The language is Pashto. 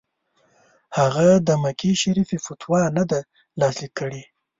هغه د مکې شریف فتوا نه ده لاسلیک کړې.